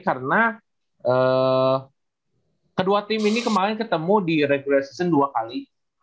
karena kedua tim ini kemarin ketemu di regular season dua kali